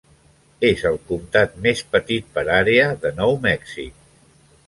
És el comtat més petit per àrea de Nou Mèxic.